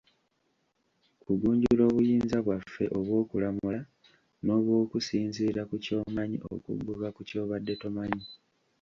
Kugunjula obuyinza bwaffe obw'okulamula, n'obw'okusinziira ku ky'omanyi okugguka ku ky'obadde tomanyi.